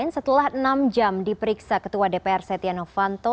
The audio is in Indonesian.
setelah enam jam diperiksa ketua dpr setia novanto